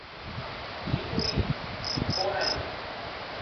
lipu ni li pona lukin.